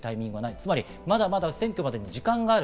つまり、まだまだ選挙まで時間がある。